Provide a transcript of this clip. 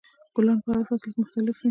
ګلان په هر فصل کې مختلف وي.